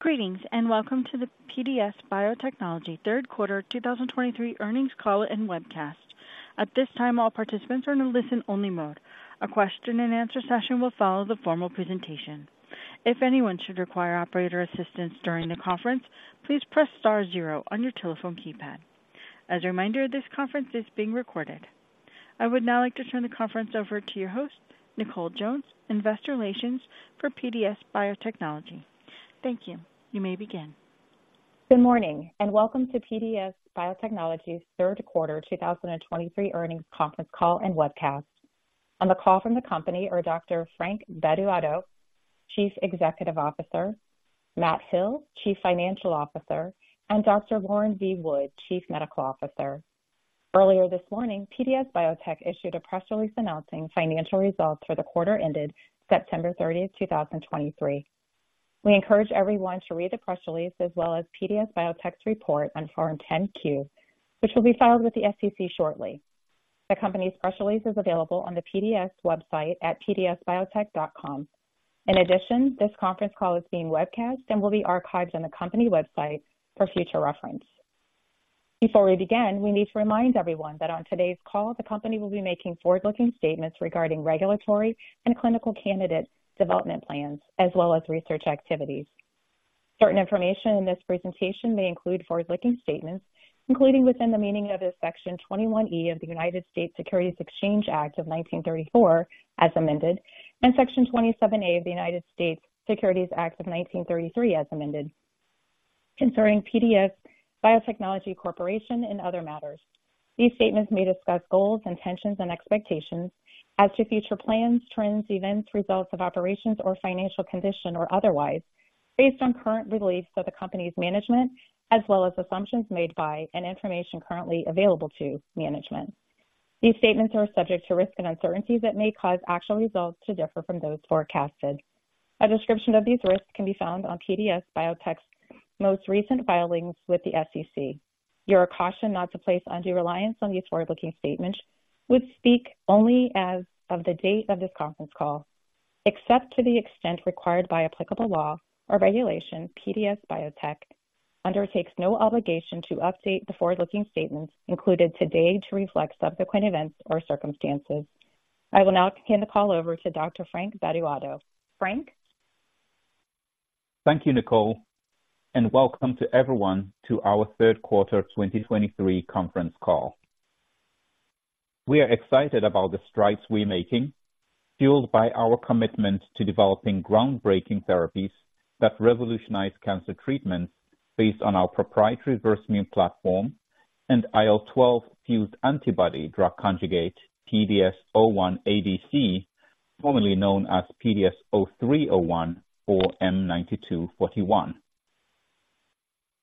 Greetings, and welcome to the PDS Biotechnology third quarter 2023 earnings call and webcast. At this time, all participants are in a listen-only mode. A question and answer session will follow the formal presentation. If anyone should require operator assistance during the conference, please press star zero on your telephone keypad. As a reminder, this conference is being recorded. I would now like to turn the conference over to your host, Nicole Jones, Investor Relations for PDS Biotechnology. Thank you. You may begin. Good morning, and welcome to PDS Biotechnology's third quarter 2023 earnings conference call and webcast. On the call from the company are Dr. Frank Bedu-Addo, Chief Executive Officer, Matt Hill, Chief Financial Officer, and Dr. Lauren V. Wood, Chief Medical Officer. Earlier this morning, PDS Biotech issued a press release announcing financial results for the quarter ended September 30th, 2023. We encourage everyone to read the press release as well as PDS Biotech's report on Form 10-Q, which will be filed with the SEC shortly. The company's press release is available on the PDS website at pdsbiotech.com. In addition, this conference call is being webcast and will be archived on the company website for future reference. Before we begin, we need to remind everyone that on today's call, the company will be making forward-looking statements regarding regulatory and clinical candidate development plans, as well as research activities. Certain information in this presentation may include forward-looking statements, including within the meaning of Section 21E of the United States Securities Exchange Act of 1934, as amended, and Section 27A of the United States Securities Act of 1933, as amended, concerning PDS Biotechnology Corporation and other matters. These statements may discuss goals, intentions, and expectations as to future plans, trends, events, results of operations, or financial condition, or otherwise, based on current beliefs of the company's management as well as assumptions made by and information currently available to management. These statements are subject to risks and uncertainties that may cause actual results to differ from those forecasted. A description of these risks can be found on PDS Biotech's most recent filings with the SEC. You are cautioned not to place undue reliance on these forward-looking statements, which speak only as of the date of this conference call. Except to the extent required by applicable law or regulation, PDS Biotech undertakes no obligation to update the forward-looking statements included today to reflect subsequent events or circumstances. I will now hand the call over to Dr. Frank Bedu-Addo. Frank? Thank you, Nicole, and welcome to everyone to our third quarter 2023 conference call. We are excited about the strides we're making, fueled by our commitment to developing groundbreaking therapies that revolutionize cancer treatment based on our proprietary Versamune platform and IL-12 fused antibody drug conjugate, PDS01ADC, formerly known as PDS0301 or M9241.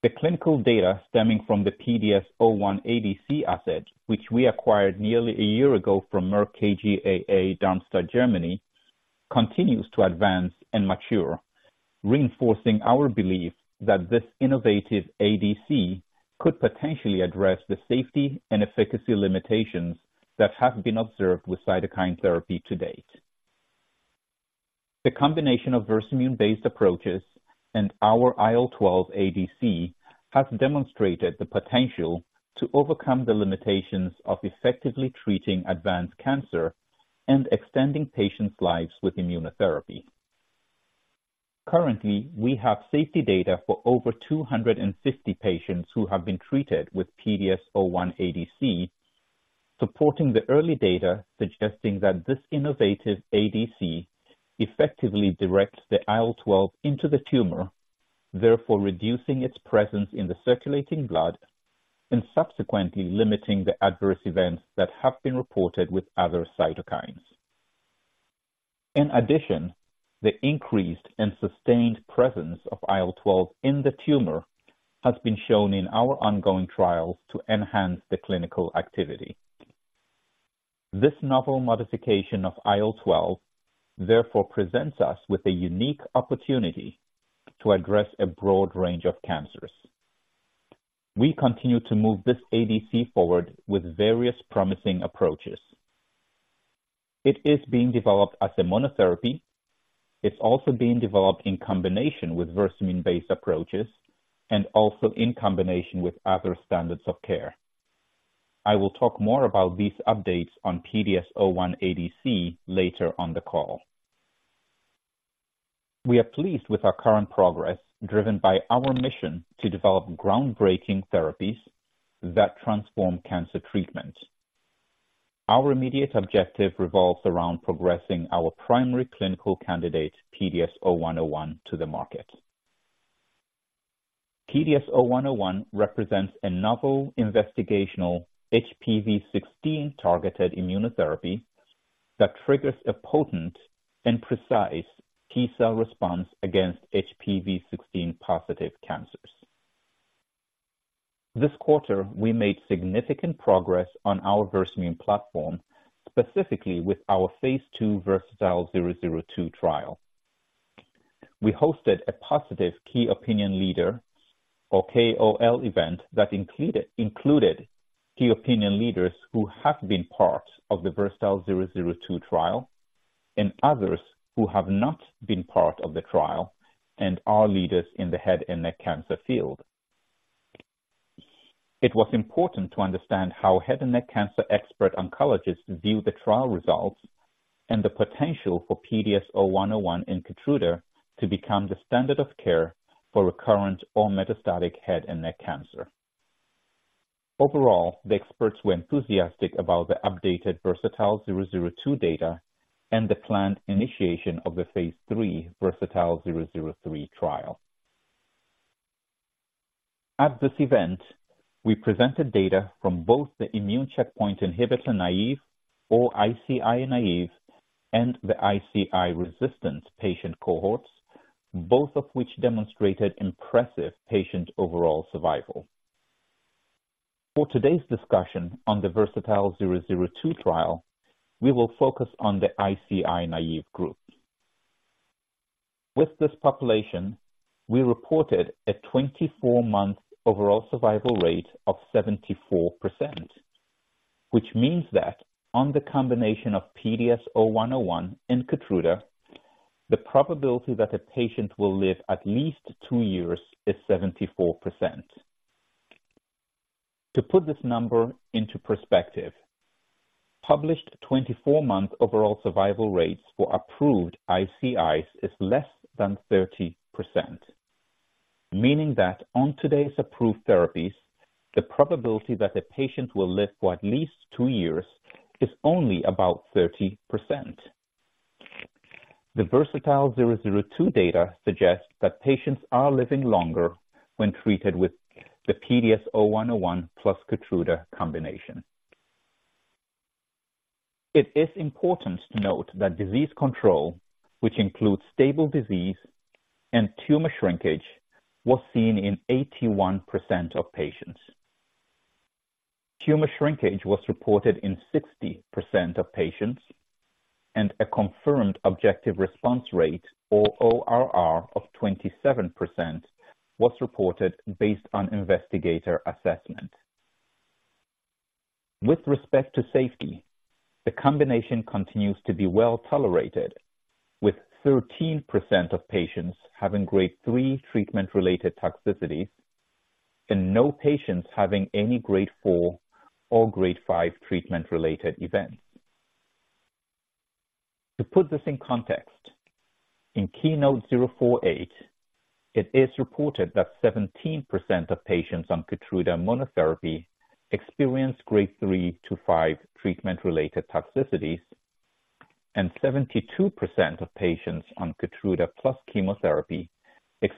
The clinical data stemming from the PDS01ADC asset, which we acquired nearly a year ago from Merck KGaA, Darmstadt, Germany, continues to advance and mature, reinforcing our belief that this innovative ADC could potentially address the safety and efficacy limitations that have been observed with cytokine therapy to date. The combination of Versamune-based approaches and our IL-12 ADC has demonstrated the potential to overcome the limitations of effectively treating advanced cancer and extending patients' lives with immunotherapy. Currently, we have safety data for over 250 patients who have been treated with PDS01ADC, supporting the early data suggesting that this innovative ADC effectively directs the IL-12 into the tumor, therefore reducing its presence in the circulating blood and subsequently limiting the adverse events that have been reported with other cytokines. In addition, the increased and sustained presence of IL-12 in the tumor has been shown in our ongoing trials to enhance the clinical activity. This novel modification of IL-12, therefore, presents us with a unique opportunity to address a broad range of cancers. We continue to move this ADC forward with various promising approaches. It is being developed as a monotherapy. It's also being developed in combination with Versamune-based approaches and also in combination with other standards of care. I will talk more about these updates on PDS01ADC later on the call. We are pleased with our current progress, driven by our mission to develop groundbreaking therapies that transform cancer treatment. Our immediate objective revolves around progressing our primary clinical candidate, PDS0101, to the market. PDS0101 represents a novel investigational HPV-16 targeted immunotherapy that triggers a potent and precise T-cell response against HPV-16 positive cancers. This quarter, we made significant progress on our Versamune platform, specifically with our phase II VERSATILE-002 trial. We hosted a positive Key Opinion Leader, or KOL event, that included key opinion leaders who have been part of the VERSATILE-002 trial and others who have not been part of the trial and are leaders in the head and neck cancer field. It was important to understand how head and neck cancer expert oncologists view the trial results, and the potential for PDS0101 and KEYTRUDA to become the standard of care for recurrent or metastatic head and neck cancer. Overall, the experts were enthusiastic about the updated VERSATILE-002 data and the planned initiation of the phase III VERSATILE-003 trial. At this event, we presented data from both the immune checkpoint inhibitor-naive, or ICI-naive, and the ICI-resistant patient cohorts, both of which demonstrated impressive patient overall survival. For today's discussion on the VERSATILE-002 trial, we will focus on the ICI-naive group. With this population, we reported a 24-month overall survival rate of 74%, which means that on the combination of PDS0101 and KEYTRUDA, the probability that a patient will live at least two years is 74%. To put this number into perspective, published 24-month overall survival rates for approved ICIs is less than 30%, meaning that on today's approved therapies, the probability that a patient will live for at least 2 years is only about 30%. The VERSATILE-002 data suggests that patients are living longer when treated with the PDS0101 plus KEYTRUDA combination. It is important to note that disease control, which includes stable disease and tumor shrinkage, was seen in 81% of patients. Tumor shrinkage was reported in 60% of patients, and a confirmed objective response rate, or ORR, of 27% was reported based on investigator assessment. With respect to safety, the combination continues to be well tolerated, with 13% of patients having Grade 3 treatment-related toxicities and no patients having any Grade 4 or Grade 5 treatment-related events. To put this in context, in KEYNOTE-048, it is reported that 17% of patients on KEYTRUDA monotherapy Grade 3-Grade 5 treatment-related toxicities, and 72% of patients on KEYTRUDA plus chemotherapy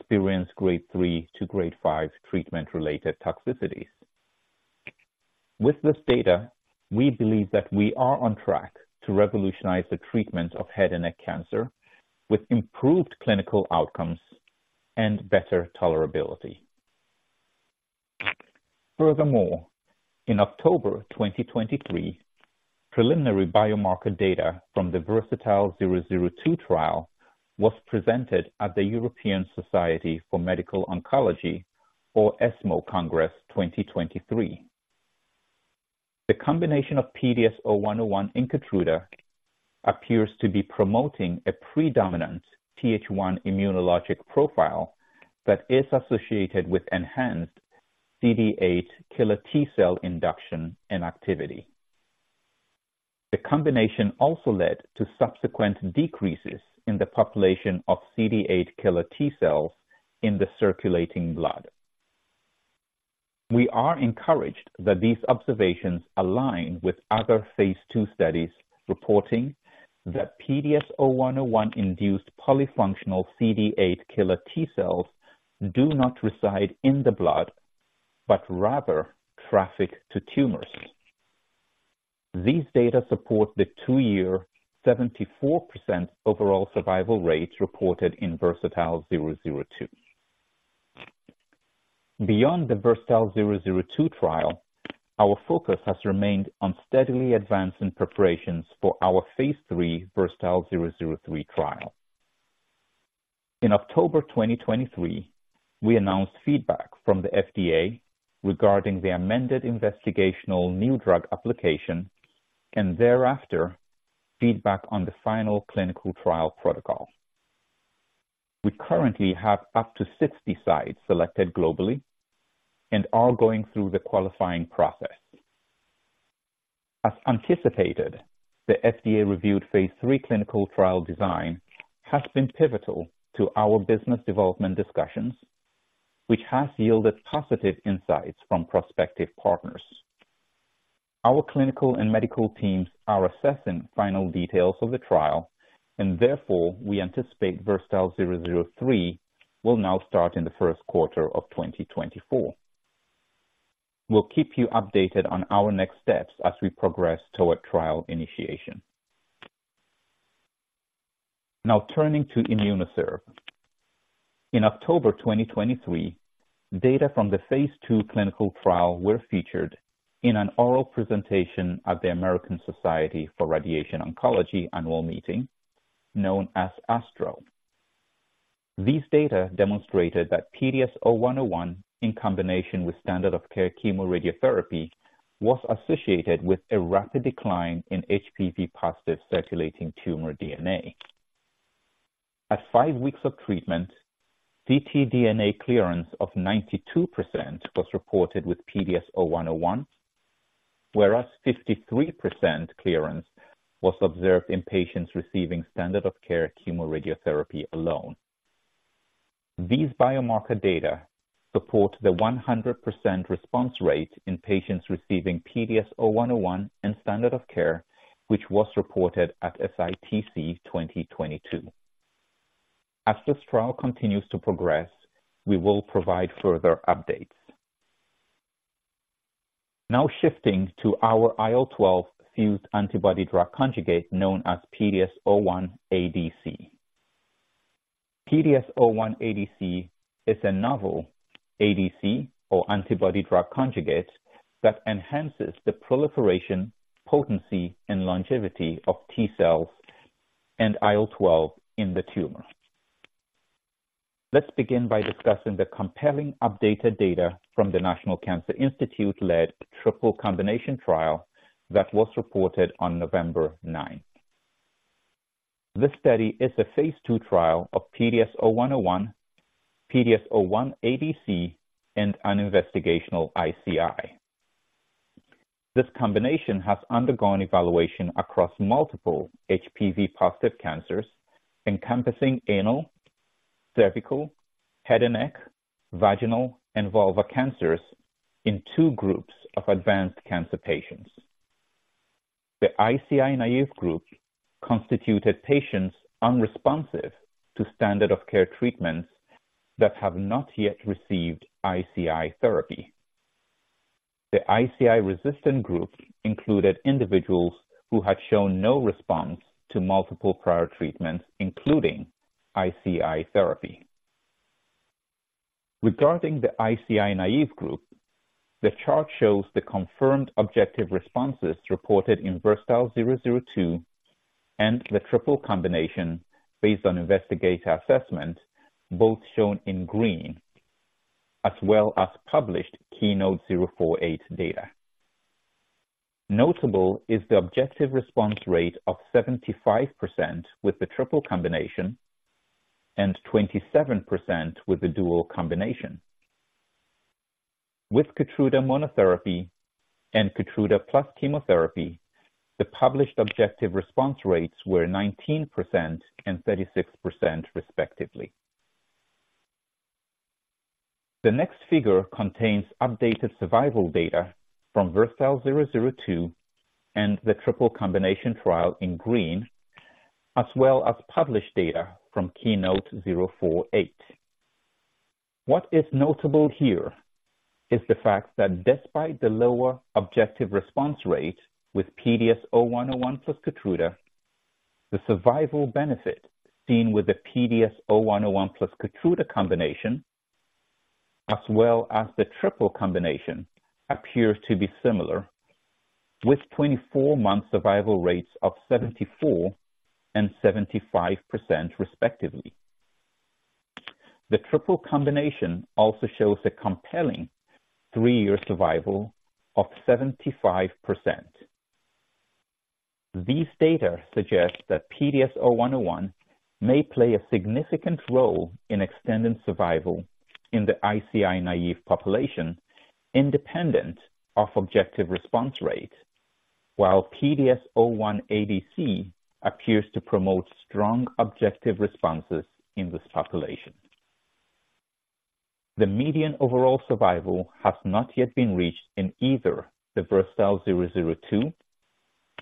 Grade 3-Grade 5 treatment-related toxicities. With this data, we believe that we are on track to revolutionize the treatment of head and neck cancer with improved clinical outcomes and better tolerability. Furthermore, in October 2023, preliminary biomarker data from the VERSATILE-002 trial was presented at the European Society for Medical Oncology, or ESMO Congress 2023. The combination of PDS0101 and KEYTRUDA appears to be promoting a predominant TH1 immunologic profile that is associated with enhanced CD8 killer T-cell induction and activity. The combination also led to subsequent decreases in the population of CD8 killer T-cells in the circulating blood. We are encouraged that these observations align with other phase II studies, reporting that PDS0101 induced polyfunctional CD8 killer T-cells do not reside in the blood, but rather traffic to tumors. These data support the two-year 74% overall survival rates reported in VERSATILE-002. Beyond the VERSATILE-002 trial, our focus has remained on steadily advancing preparations for our phase III VERSATILE-003 trial. In October 2023, we announced feedback from the FDA regarding the amended investigational new drug application and thereafter, feedback on the final clinical trial protocol. We currently have up to 60 sites selected globally and are going through the qualifying process. As anticipated, the FDA-reviewed phase III clinical trial design has been pivotal to our business development discussions, which has yielded positive insights from prospective partners. Our clinical and medical teams are assessing final details of the trial, and therefore we anticipate VERSATILE-003 will now start in the first quarter of 2024. We'll keep you updated on our next steps as we progress toward trial initiation. Now, turning to IMMUNOCERV. In October 2023, data from the phase II clinical trial were featured in an oral presentation at the American Society for Radiation Oncology annual meeting, known as ASTRO. These data demonstrated that PDS0101, in combination with standard of care chemoradiotherapy, was associated with a rapid decline in HPV-positive circulating tumor DNA. At five weeks of treatment, ctDNA clearance of 92% was reported with PDS0101, whereas 53% clearance was observed in patients receiving standard of care chemoradiotherapy alone. These biomarker data support the 100% response rate in patients receiving PDS0101 and standard of care, which was reported at SITC 2022. As this trial continues to progress, we will provide further updates. Now shifting to our IL-12 fused antibody drug conjugate, known as PDS01ADC. PDS01ADC is a novel ADC, or antibody drug conjugate, that enhances the proliferation, potency, and longevity of T-cells and IL-12 in the tumor. Let's begin by discussing the compelling updated data from the National Cancer Institute-led triple combination trial that was reported on November 9. This study is a phase II trial of PDS0101, PDS01ADC, and an investigational ICI. This combination has undergone evaluation across multiple HPV-positive cancers, encompassing anal, cervical, head and neck, vaginal, and vulva cancers in two groups of advanced cancer patients. The ICI-naive group constituted patients unresponsive to standard of care treatments that have not yet received ICI therapy. The ICI-resistant group included individuals who had shown no response to multiple prior treatments, including ICI therapy. Regarding the ICI-naive group, the chart shows the confirmed objective responses reported in VERSATILE-002 and the triple combination based on investigator assessment, both shown in green, as well as published KEYNOTE-048 data. Notable is the objective response rate of 75% with the triple combination and 27% with the dual combination. With KEYTRUDA monotherapy and KEYTRUDA plus chemotherapy, the published objective response rates were 19% and 36%, respectively. The next figure contains updated survival data from VERSATILE-002 and the triple combination trial in green, as well as published data from KEYNOTE-048. What is notable here is the fact that despite the lower objective response rate with PDS0101 plus KEYTRUDA, the survival benefit seen with the PDS0101 plus KEYTRUDA combination, as well as the triple combination, appears to be similar, with 24-month survival rates of 74% and 75%, respectively. The triple combination also shows a compelling 3-year survival of 75%. These data suggest that PDS0101 may play a significant role in extending survival in the ICI-naive population, independent of objective response rate, while PDS01ADC appears to promote strong objective responses in this population. The median overall survival has not yet been reached in either the VERSATILE-002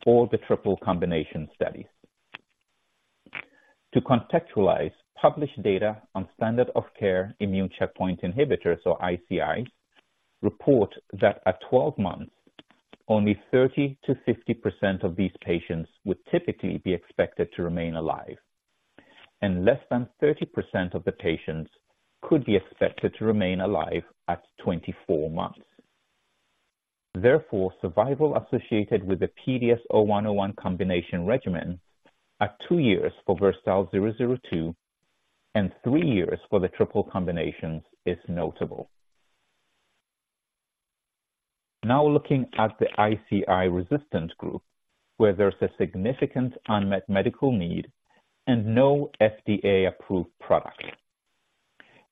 or the triple combination studies. To contextualize, published data on standard of care immune checkpoint inhibitors, or ICIs, report that at 12 months, only 30%-50% of these patients would typically be expected to remain alive, and less than 30% of the patients could be expected to remain alive at 24 months. Therefore, survival associated with the PDS0101 combination regimen at two years for VERSATILE-002 and three years for the triple combinations is notable. Now, looking at the ICI-resistant group, where there's a significant unmet medical need and no FDA-approved product.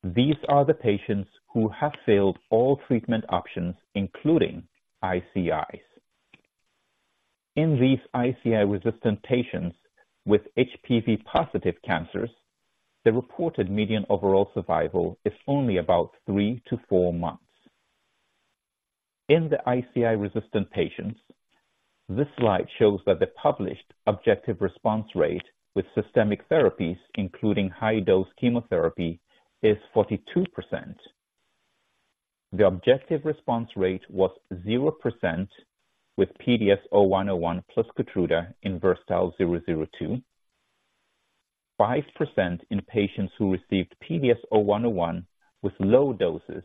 These are the patients who have failed all treatment options, including ICIs. In these ICI-resistant patients with HPV-positive cancers, the reported median overall survival is only about three to four months. In the ICI-resistant patients, this slide shows that the published objective response rate with systemic therapies, including high-dose chemotherapy, is 42%. The objective response rate was 0% with PDS0101 plus KEYTRUDA in VERSATILE-002, 5% in patients who received PDS0101 with low doses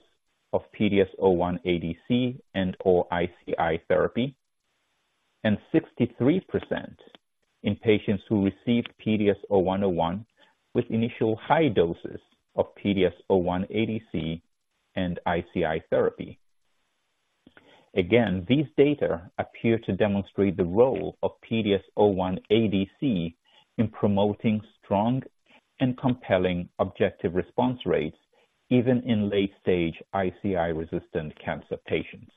of PDS01ADC and/or ICI therapy. and 63% in patients who received PDS0101, with initial high doses of PDS01ADC and ICI therapy. Again, these data appear to demonstrate the role of PDS01ADC in promoting strong and compelling objective response rates, even in late stage ICI-resistant cancer patients.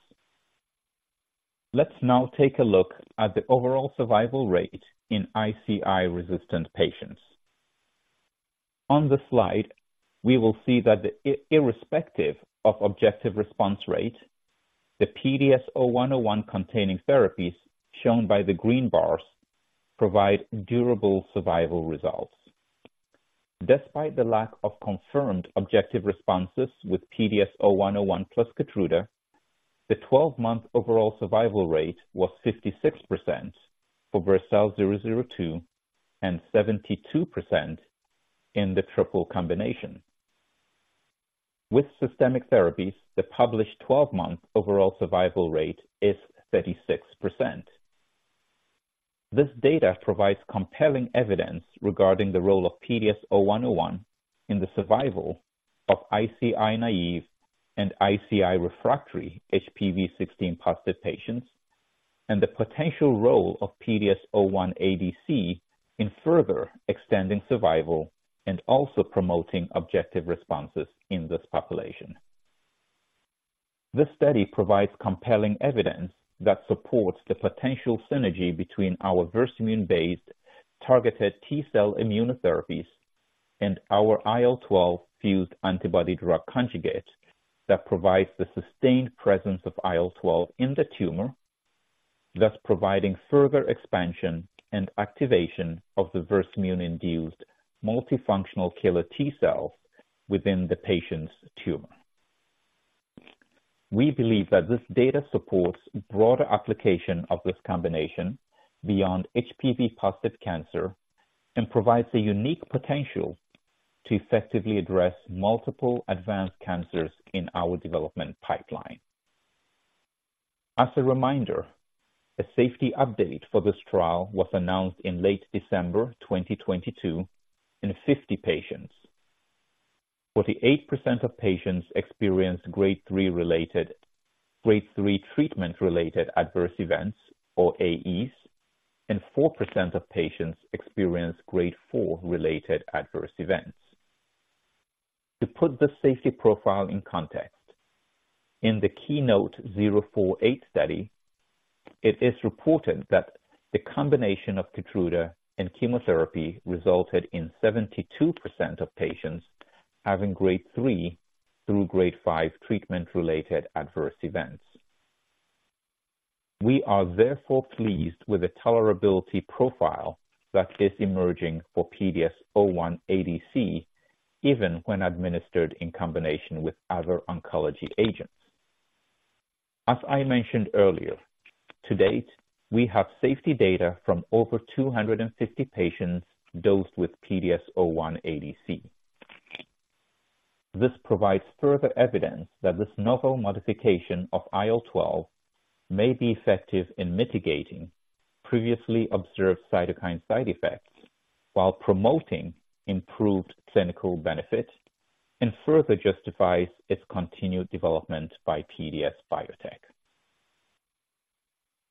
Let's now take a look at the overall survival rate in ICI-resistant patients. On the slide, we will see that, irrespective of objective response rate, the PDS0101 containing therapies, shown by the green bars, provide durable survival results. Despite the lack of confirmed objective responses with PDS0101 plus KEYTRUDA, the 12-month overall survival rate was 56% for VERSATILE-002, and 72% in the triple combination. With systemic therapies, the published 12-month overall survival rate is 36%. This data provides compelling evidence regarding the role of PDS0101 in the survival of ICI-naive and ICI-refractory HPV-16-positive patients, and the potential role of PDS01ADC in further extending survival and also promoting objective responses in this population. This study provides compelling evidence that supports the potential synergy between our Versamune-based targeted T-cell immunotherapies and our IL-12 fused antibody drug conjugate, that provides the sustained presence of IL-12 in the tumor, thus providing further expansion and activation of the Versamune-induced multifunctional killer T-cells within the patient's tumor. We believe that this data supports broader application of this combination beyond HPV-positive cancer, and provides a unique potential to effectively address multiple advanced cancers in our development pipeline. As a reminder, a safety update for this trial was announced in late December 2022 in 50 patients. 48% of patients experienced Grade 3 treatment-related adverse events, or AEs, and 4% of patients experienced Grade 4-related adverse events. To put the safety profile in context, in the KEYNOTE-048 study, it is reported that the combination of KEYTRUDA and chemotherapy resulted in 72% of patients having Grade 3 through Grade 5 treatment-related adverse events. We are therefore pleased with the tolerability profile that is emerging for PDS01ADC, even when administered in combination with other oncology agents. As I mentioned earlier, to date, we have safety data from over 250 patients dosed with PDS01ADC. This provides further evidence that this novel modification of IL-12 may be effective in mitigating previously observed cytokine side effects while promoting improved clinical benefit, and further justifies its continued development by PDS Biotech.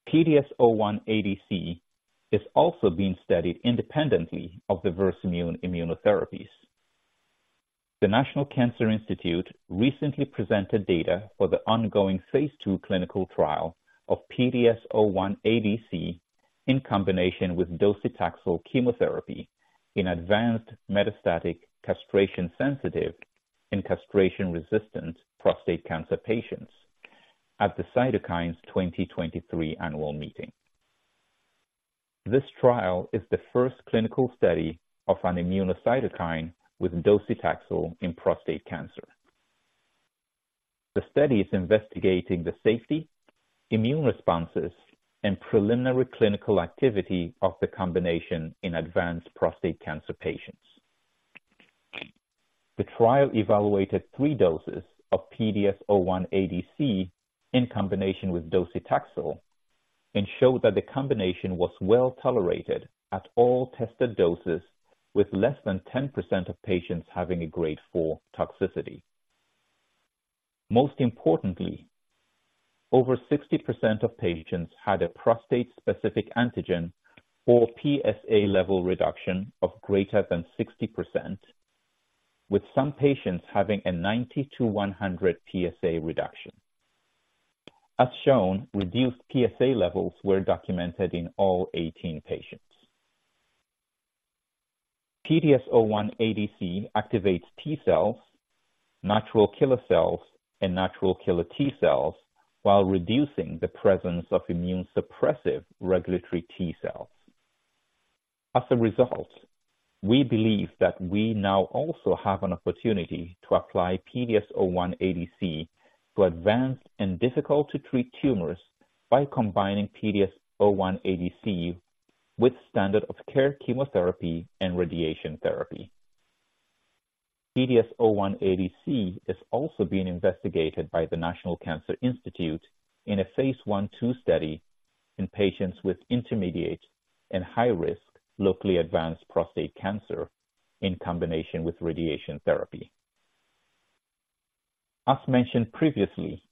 PDS01ADC is also being studied independently of the Versamune immunotherapies. The National Cancer Institute recently presented data for the ongoing phase II clinical trial of PDS01ADC, in combination with docetaxel chemotherapy in advanced metastatic, castration-sensitive, and castration-resistant prostate cancer patients at the Cytokines 2023 annual meeting. This trial is the first clinical study of an immunocytokine with docetaxel in prostate cancer. The study is investigating the safety, immune responses, and preliminary clinical activity of the combination in advanced prostate cancer patients. The trial evaluated three doses of PDS01ADC in combination with docetaxel, and showed that the combination was well tolerated at all tested doses, with less than 10% of patients having a Grade 4 toxicity. Most importantly, over 60% of patients had a prostate-specific antigen or PSA level reduction of greater than 60%, with some patients having a 90%-100% PSA reduction. As shown, reduced PSA levels were documented in all 18 patients. PDS01ADC activates T-cells, natural killer cells, and natural killer T-cells, while reducing the presence of immunosuppressive regulatory T-cells. As a result, we believe that we now also have an opportunity to apply PDS01ADC to advanced and difficult-to-treat tumors by combining PDS01ADC with standard of care chemotherapy and radiation therapy. PDS01ADC is also being investigated by the National Cancer Institute in a phase I/II study in patients with intermediate and high risk locally advanced prostate cancer in combination with radiation therapy. As mentioned previously,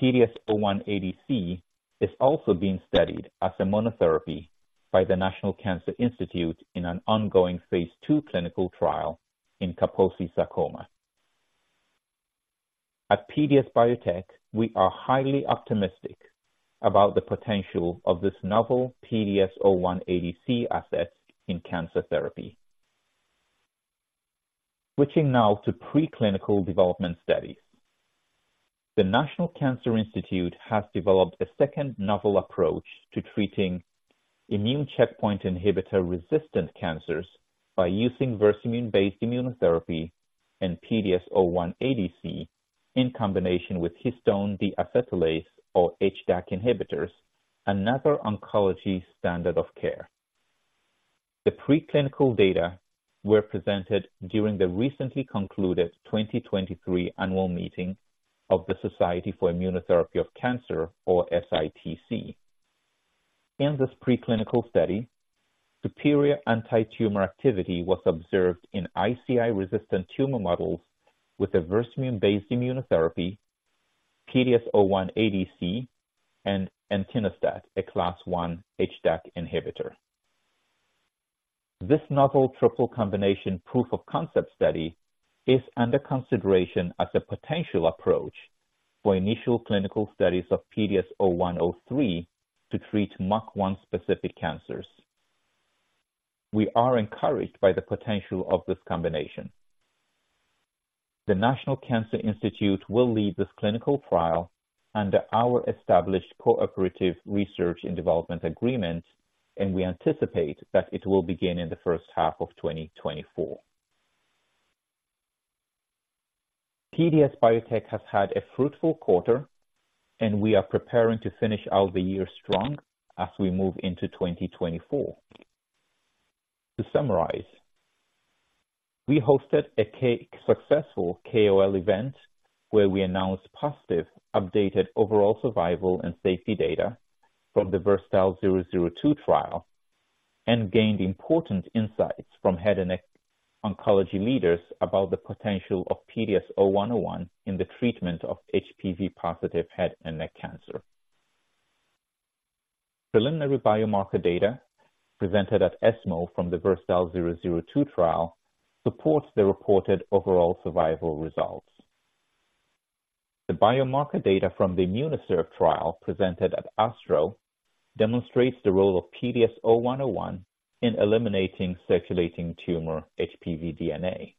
PDS01ADC is also being studied as a monotherapy by the National Cancer Institute in an ongoing phase II clinical trial in Kaposi Sarcoma. At PDS Biotech, we are highly optimistic about the potential of this novel PDS01ADC asset in cancer therapy. Switching now to preclinical development studies. The National Cancer Institute has developed a second novel approach to treating immune checkpoint inhibitor-resistant cancers by using Versamune-based immunotherapy and PDS01ADC, in combination with histone deacetylase or HDAC inhibitors, another oncology standard of care. The preclinical data were presented during the recently concluded 2023 annual meeting of the Society for Immunotherapy of Cancer, or SITC. In this preclinical study, superior antitumor activity was observed in ICI-resistant tumor models with a Versamune-based immunotherapy, PDS01ADC, and entinostat, a Class I HDAC inhibitor. This novel triple combination proof of concept study is under consideration as a potential approach for initial clinical studies of PDS0103 to treat MUC1-specific cancers. We are encouraged by the potential of this combination. The National Cancer Institute will lead this clinical trial under our established cooperative research and development agreement, and we anticipate that it will begin in the first half of 2024. PDS Biotech has had a fruitful quarter, and we are preparing to finish out the year strong as we move into 2024. To summarize, we hosted a successful KOL event where we announced positive, updated overall survival and safety data from the VERSATILE-002 trial and gained important insights from head and neck oncology leaders about the potential of PDS0101 in the treatment of HPV-positive head and neck cancer. Preliminary biomarker data presented at ESMO from the VERSATILE-002 trial supports the reported overall survival results. The biomarker data from the IMMUNOCERV trial, presented at ASTRO, demonstrates the role of PDS0101 in eliminating circulating tumor HPV DNA.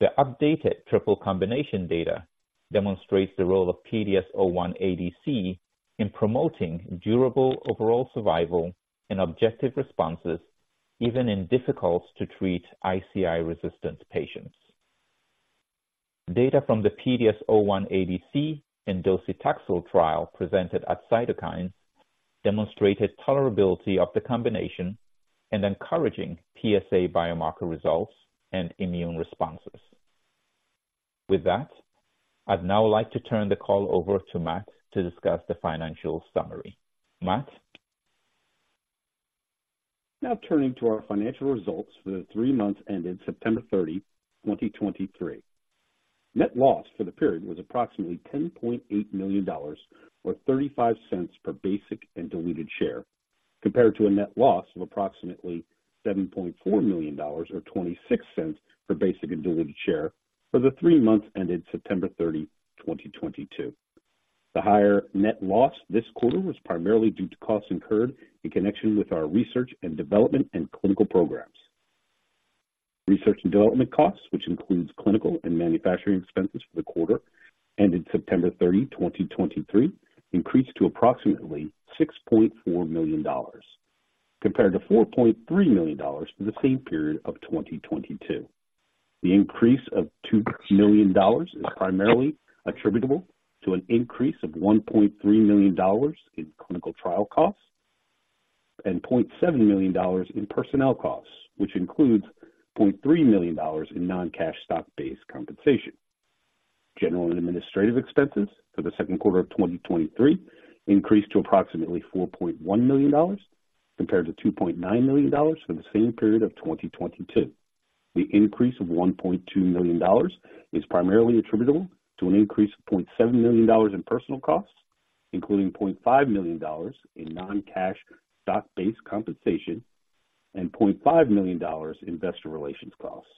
The updated triple combination data demonstrates the role of PDS01ADC in promoting durable overall survival and objective responses, even in difficult-to-treat ICI-resistant patients. Data from the PDS01ADC and docetaxel trial presented at Cytokines demonstrated tolerability of the combination and encouraging PSA biomarker results and immune responses. With that, I'd now like to turn the call over to Matt to discuss the financial summary. Matt? Now turning to our financial results for the three months ended September 30, 2023. Net loss for the period was approximately $10.8 million, or $0.35 per basic and diluted share, compared to a net loss of approximately $7.4 million, or $0.26 per basic and diluted share for the three months ended September 30, 2022. The higher net loss this quarter was primarily due to costs incurred in connection with our research and development and clinical programs. Research and development costs, which includes clinical and manufacturing expenses for the quarter, ended September 30, 2023, increased to approximately $6.4 million, compared to $4.3 million for the same period of 2022. The increase of $2 million is primarily attributable to an increase of $1.3 million in clinical trial costs and $0.7 million in personnel costs, which includes $0.3 million in non-cash stock-based compensation. General and administrative expenses for the second quarter of 2023 increased to approximately $4.1 million, compared to $2.9 million for the same period of 2022. The increase of $1.2 million is primarily attributable to an increase of $0.7 million in personnel costs, including $0.5 million in non-cash stock-based compensation and $0.5 million in investor relations costs.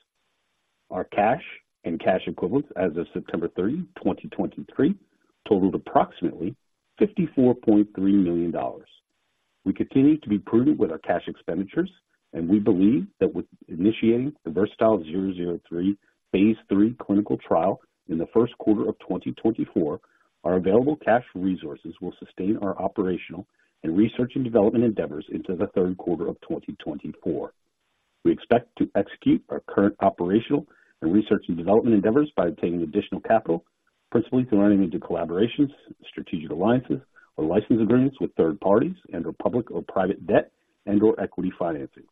Our cash and cash equivalents as of September 30, 2023, totaled approximately $54.3 million. We continue to be prudent with our cash expenditures, and we believe that with initiating the VERSATILE-003 phase III clinical trial in the first quarter of 2024, our available cash resources will sustain our operational and research and development endeavors into the third quarter of 2024. We expect to execute our current operational and research and development endeavors by obtaining additional capital, principally through entering into collaborations, strategic alliances, or license agreements with third parties and or public or private debt and or equity financings.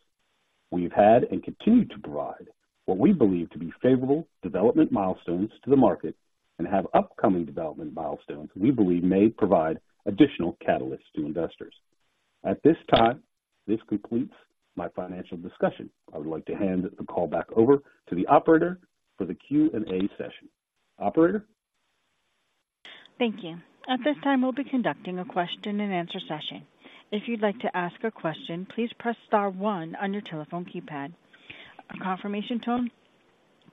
We've had and continue to provide what we believe to be favorable development milestones to the market and have upcoming development milestones we believe may provide additional catalysts to investors. At this time, this completes my financial discussion. I would like to hand the call back over to the operator for the Q&A session. Operator? Thank you. At this time, we'll be conducting a question-and-answer session. If you'd like to ask a question, please press star one on your telephone keypad. A confirmation tone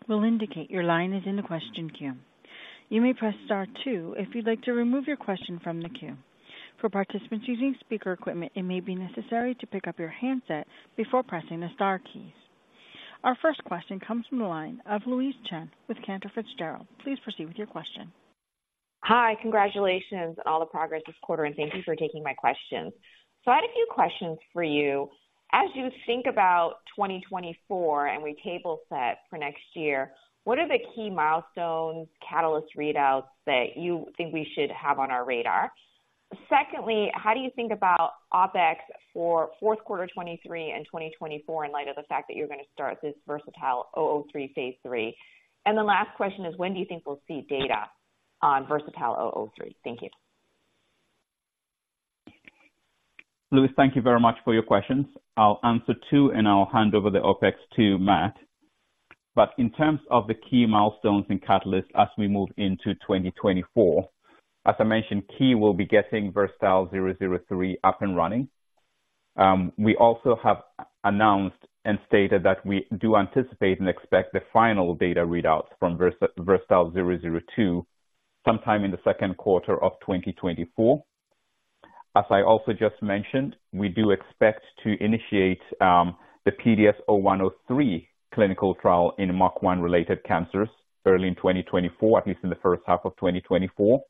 will indicate your line is in the question queue. You may press star two if you'd like to remove your question from the queue. For participants using speaker equipment, it may be necessary to pick up your handset before pressing the star keys. Our first question comes from the line of Louise Chen with Cantor Fitzgerald. Please proceed with your question. Hi. Congratulations on all the progress this quarter, and thank you for taking my questions. So I had a few questions for you. As you think about 2024 and we table set for next year, what are the key milestones, catalyst readouts that you think we should have on our radar? Secondly, how do you think about OpEx for fourth quarter 2023 and 2024 in light of the fact that you're going to start this VERSATILE-003 phase III? And the last question is: when do you think we'll see data on VERSATILE-003? Thank you. Louise, thank you very much for your questions. I'll answer two, and I'll hand over the OpEx to Matt. But in terms of the key milestones and catalysts as we move into 2024, as I mentioned, key will be getting VERSATILE-003 up and running. We also have announced and stated that we do anticipate and expect the final data readouts from VERSATILE-002 sometime in the second quarter of 2024. As I also just mentioned, we do expect to initiate the PDS0103 clinical trial in MUC1 related cancers early in 2024, at least in the first half of 2024.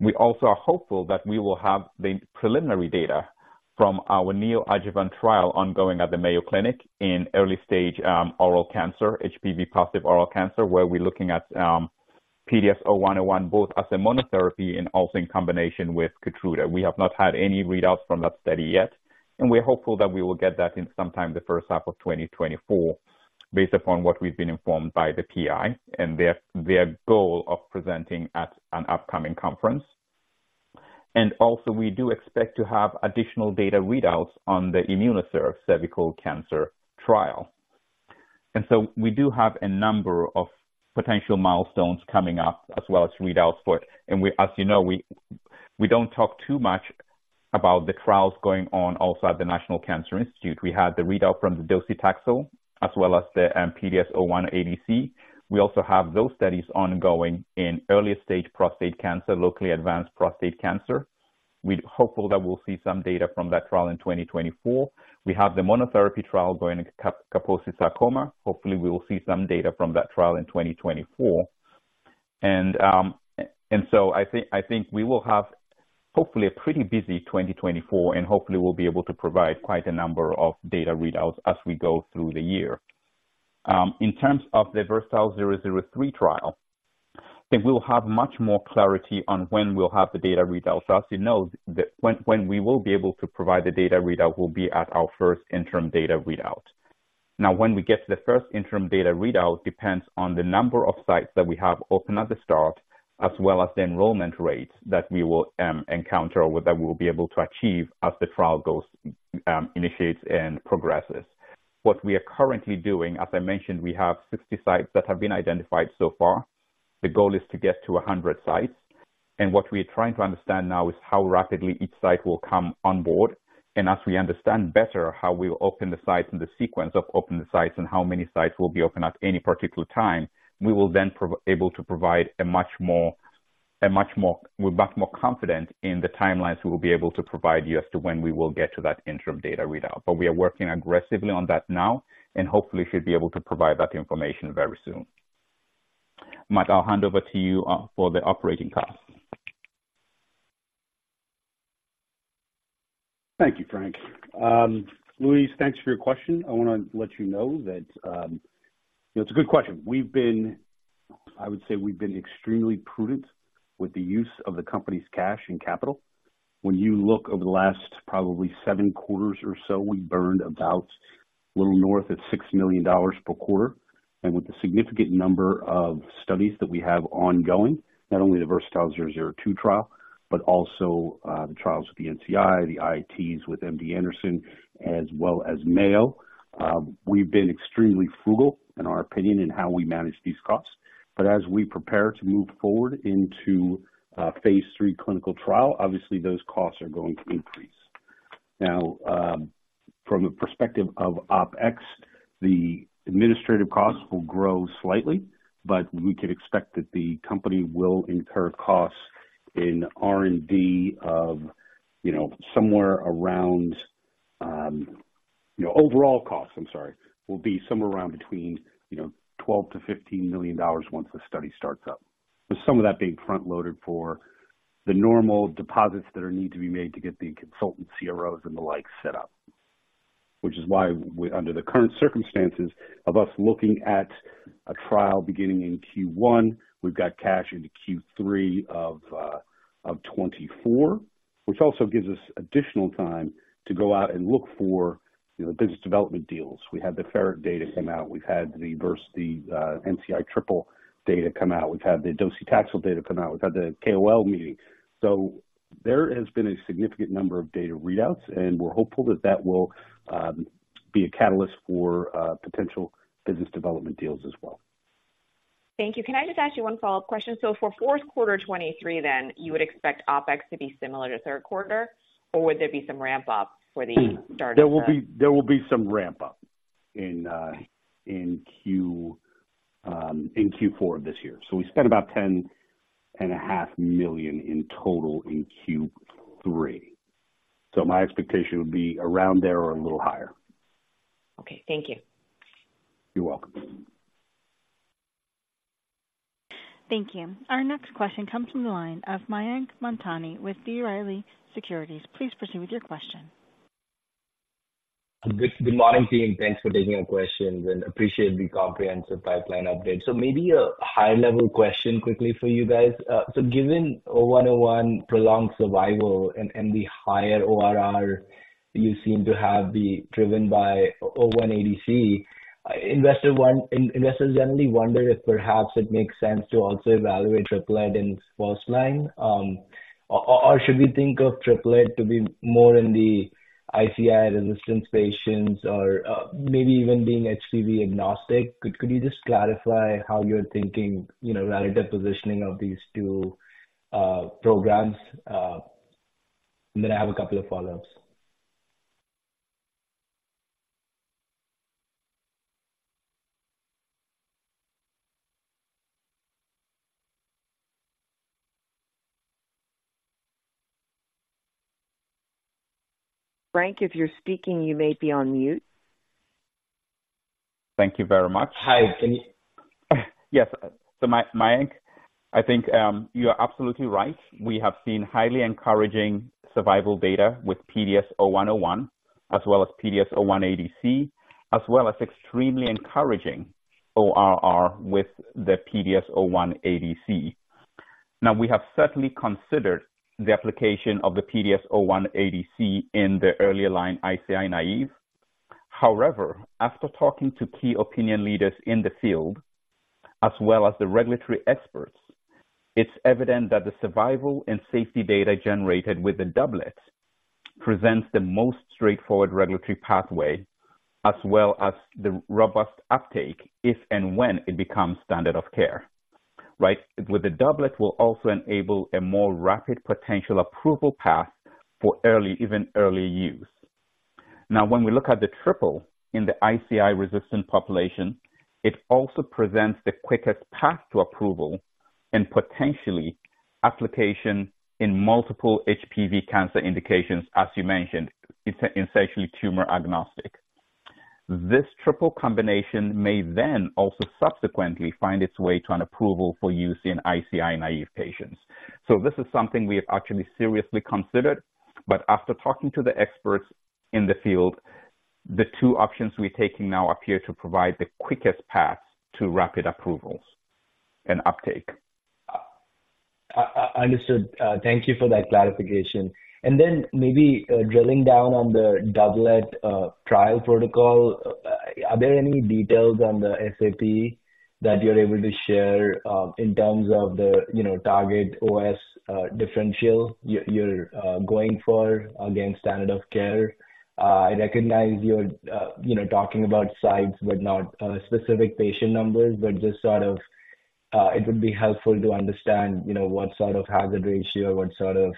We also are hopeful that we will have the preliminary data from our neoadjuvant trial ongoing at the Mayo Clinic in early stage oral cancer, HPV-positive oral cancer, where we're looking at PDS0101, both as a monotherapy and also in combination with KEYTRUDA. We have not had any readouts from that study yet, and we're hopeful that we will get that in sometime the first half of 2024, based upon what we've been informed by the PI and their goal of presenting at an upcoming conference. And also, we do expect to have additional data readouts on the IMMUNOCERV cervical cancer trial. And so we do have a number of potential milestones coming up, as well as readouts for it. And we, as you know, we don't talk too much about the trials going on also at the National Cancer Institute. We had the readout from the docetaxel as well as the PDS01ADC. We also have those studies ongoing in early stage prostate cancer, locally advanced prostate cancer. We're hopeful that we'll see some data from that trial in 2024. We have the monotherapy trial going in Kaposi Sarcoma. Hopefully, we will see some data from that trial in 2024. And so I think we will have hopefully a pretty busy 2024, and hopefully we'll be able to provide quite a number of data readouts as we go through the year. In terms of the VERSATILE-003 trial, I think we'll have much more clarity on when we'll have the data readout. So as you know, when we will be able to provide the data readout will be at our first interim data readout. Now, when we get to the first interim data readout depends on the number of sites that we have open at the start, as well as the enrollment rates that we will encounter or that we'll be able to achieve as the trial goes initiates and progresses. What we are currently doing, as I mentioned, we have 60 sites that have been identified so far. The goal is to get to 100 sites. And what we are trying to understand now is how rapidly each site will come on board. And as we understand better how we will open the sites and the sequence of opening the sites and how many sites will be open at any particular time, we will then be able to provide a much more, a much more. We're much more confident in the timelines we will be able to provide you as to when we will get to that interim data readout. But we are working aggressively on that now and hopefully should be able to provide that information very soon. Matt, I'll hand over to you for the operating costs. Thank you, Frank. Louise, thanks for your question. I want to let you know that, you know, it's a good question. We've been—I would say we've been extremely prudent with the use of the company's cash and capital. When you look over the last probably seven quarters or so, we burned about a little north of $6 million per quarter. And with the significant number of studies that we have ongoing, not only the VERSATILE-002 trial, but also, the trials with the NCI, the ITs with MD Anderson, as well as Mayo, we've been extremely frugal, in our opinion, in how we manage these costs. But as we prepare to move forward into a phase III clinical trial, obviously those costs are going to increase. Now, from a perspective of OpEx, the administrative costs will grow slightly, but we could expect that the company will incur costs in R&D of, you know, somewhere around. Overall costs, I'm sorry, will be somewhere around between, you know, $12 million-$15 million once the study starts up, with some of that being front-loaded for the normal deposits that are needed to be made to get the contract CROs and the like set up. Which is why we, under the current circumstances of us looking at a trial beginning in Q1, we've got cash into Q3 of 2024, which also gives us additional time to go out and look for, you know, business development deals. We had the ferret data come out. We've had the Versamune NCI trial data come out. We've had the docetaxel data come out. We've had the KOL meeting. So there has been a significant number of data readouts, and we're hopeful that that will be a catalyst for potential business development deals as well. Thank you. Can I just ask you one follow-up question? So for fourth quarter 2023, then you would expect OpEx to be similar to third quarter, or would there be some ramp up for the start of the- There will be, there will be some ramp up in Q4 of this year. So we spent about $10.5 million in total in Q3. So my expectation would be around there or a little higher. Okay. Thank you. You're welcome. Thank you. Our next question comes from the line of Mayank Mamtani with B. Riley Securities. Please proceed with your question. Good morning, team. Thanks for taking my questions and appreciate the comprehensive pipeline update. So maybe a high-level question quickly for you guys. So given PDS0101 prolonged survival and, and the higher ORR you seem to have be driven by PDS01ADC, investors generally wonder if perhaps it makes sense to also evaluate triplet in first line, or, or should we think of triplet to be more in the ICI-resistant patients or, maybe even being HPV agnostic? Could you just clarify how you're thinking, you know, relative positioning of these two, programs? And then I have a couple of follow-ups. Frank, if you're speaking, you may be on mute. Thank you very much. Hi. Can you- Yes. So Mayank, I think, you are absolutely right. We have seen highly encouraging survival data with PDS0101, as well as PDS01ADC, as well as extremely encouraging ORR with the PDS01ADC. Now, we have certainly considered the application of the PDS01ADC in the earlier line, ICI-naive. However, after talking to key opinion leaders in the field, as well as the regulatory experts, it's evident that the survival and safety data generated with the doublet presents the most straightforward regulatory pathway, as well as the robust uptake, if and when it becomes standard of care. Right? With the doublet, will also enable a more rapid potential approval path for early, even early use. Now, when we look at the triple in the ICI-resistant population, it also presents the quickest path to approval and potentially application in multiple HPV cancer indications, as you mentioned, in essentially tumor-agnostic. This triple combination may then also subsequently find its way to an approval for use in ICI-naive patients. So this is something we have actually seriously considered, but after talking to the experts in the field, the two options we're taking now appear to provide the quickest path to rapid approvals and uptake. Understood. Thank you for that clarification. And then maybe, drilling down on the doublet trial protocol, are there any details on the SAP that you're able to share, in terms of the, you know, target OS differential you're going for against standard of care? I recognize you're, you know, talking about sites, but not specific patient numbers, but just sort of, it would be helpful to understand, you know, what sort of hazard ratio, what sort of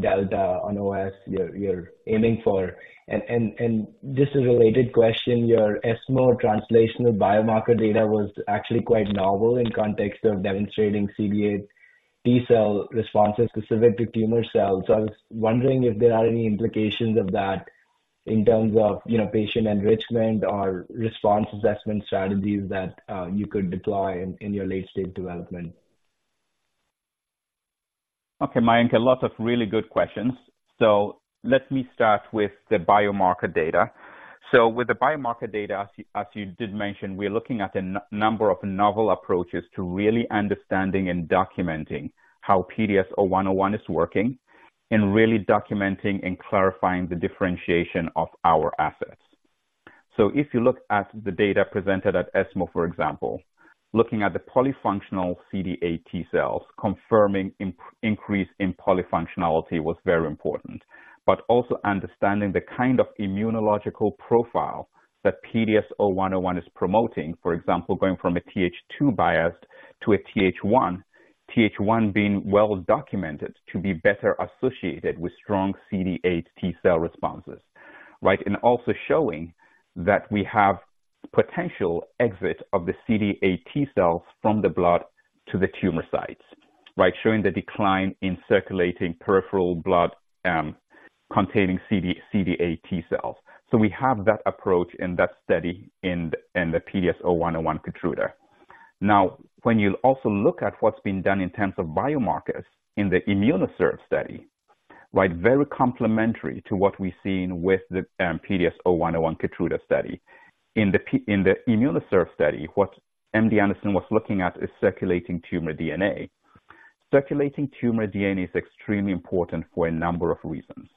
delta on OS you're aiming for. And just a related question, your ESMO translational biomarker data was actually quite novel in context of demonstrating CD8 T-cell responses specific to tumor cells. I was wondering if there are any implications of that in terms of, you know, patient enrichment or response assessment strategies that you could deploy in your late-stage development? Okay, Mayank, a lot of really good questions. So let me start with the biomarker data. So with the biomarker data, as you did mention, we're looking at a number of novel approaches to really understanding and documenting how PDS0101 is working, and really documenting and clarifying the differentiation of our assets. So if you look at the data presented at ESMO, for example, looking at the polyfunctional CD8 T-cells, confirming increase in polyfunctionality was very important, but also understanding the kind of immunological profile that PDS0101 is promoting. For example, going from a TH2 biased to a TH1. TH1 being well documented to be better associated with strong CD8 T-cell responses, right? And also showing that we have potential exit of the CD8 T-cells from the blood to the tumor sites, right? Showing the decline in circulating peripheral blood containing CD8 T-cells. So we have that approach and that study in the PDS0101 program. Now, when you also look at what's been done in terms of biomarkers in the IMMUNOCERV study, right? Very complementary to what we've seen with the PDS0101 KEYTRUDA study. In the IMMUNOCERV study, what MD Anderson was looking at is circulating tumor DNA. Circulating tumor DNA is extremely important for a number of reasons,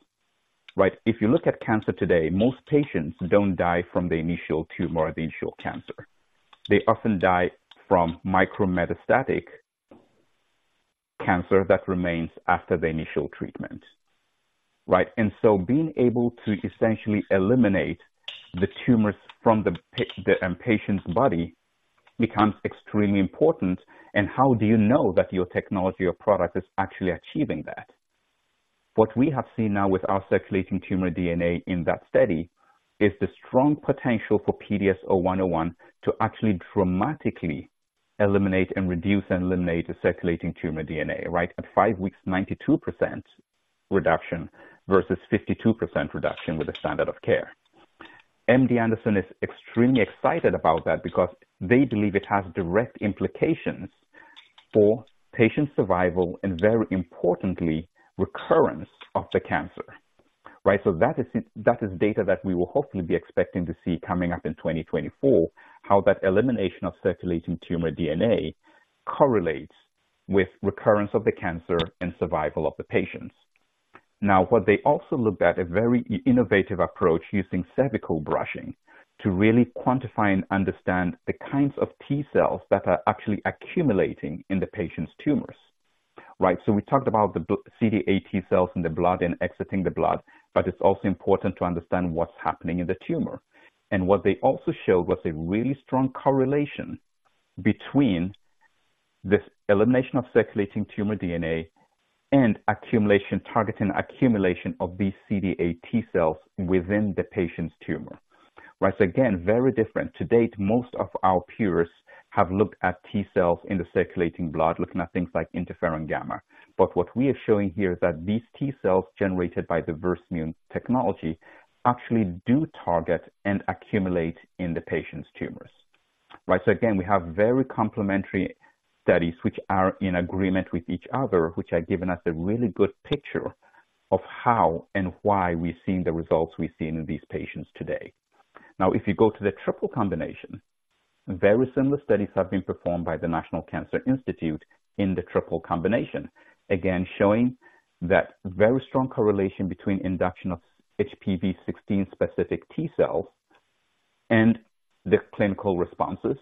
right? If you look at cancer today, most patients don't die from the initial tumor or the initial cancer. They often die from micrometastatic cancer that remains after the initial treatment, right? And so being able to essentially eliminate the tumors from the patient's body becomes extremely important, and how do you know that your technology or product is actually achieving that? What we have seen now with our circulating tumor DNA in that study is the strong potential for PDS0101 to actually dramatically eliminate and reduce and eliminate the circulating tumor DNA, right? At five weeks, 92% reduction versus 52% reduction with the standard of care. MD Anderson is extremely excited about that because they believe it has direct implications for patient survival and, very importantly, recurrence of the cancer, right? So that is, that is data that we will hopefully be expecting to see coming up in 2024, how that elimination of circulating tumor DNA correlates with recurrence of the cancer and survival of the patients. Now, what they also looked at, a very innovative approach using cervical brushing, to really quantify and understand the kinds of T-cells that are actually accumulating in the patient's tumors, right? So we talked about the CD8 T-cells in the blood and exiting the blood, but it's also important to understand what's happening in the tumor. And what they also showed was a really strong correlation between this elimination of circulating tumor DNA and accumulation, targeting accumulation of these CD8 T-cells within the patient's tumor, right? So again, very different. To date, most of our peers have looked at T-cells in the circulating blood, looking at things like interferon gamma. But what we are showing here is that these T-cells generated by the Versamune technology actually do target and accumulate in the patient's tumors, right? So again, we have very complementary studies which are in agreement with each other, which have given us a really good picture of how and why we've seen the results we've seen in these patients today. Now, if you go to the triple combination, very similar studies have been performed by the National Cancer Institute in the triple combination. Again, showing that very strong correlation between induction of HPV-16 specific T-cells and the clinical responses,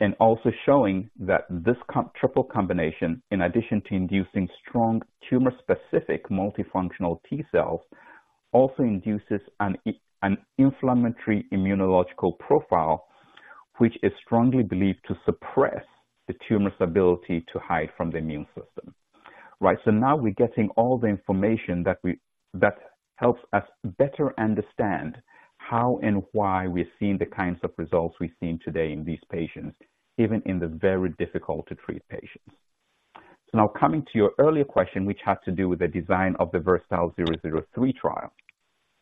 and also showing that this triple combination, in addition to inducing strong tumor-specific multifunctional T-cells, also induces an inflammatory immunological profile, which is strongly believed to suppress the tumor's ability to hide from the immune system, right? So now we're getting all the information that that helps us better understand how and why we're seeing the kinds of results we've seen today in these patients, even in the very difficult to treat patients. So now coming to your earlier question, which has to do with the design of the VERSATILE-003 trial.